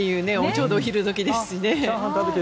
ちょうどお昼時ですしね。